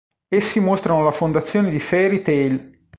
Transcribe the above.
Essi mostrano la fondazione di Fairy Tail.